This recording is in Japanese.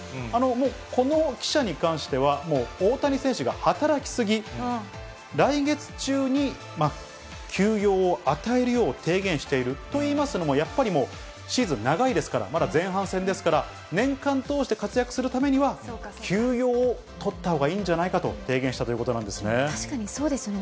この記者に関しては、大谷選手が働き過ぎ、来月中に休養を与えるよう提言している、といいますのも、やっぱりもうシーズン長いですから、まだ前半戦ですから、年間通して活躍するためには、休養をとったほうがいいんじゃないかと提言したということなんで確かにそうですよね。